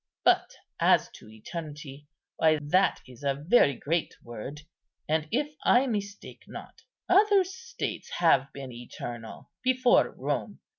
But as to eternity, why, that is a very great word; and, if I mistake not, other states have been eternal before Rome.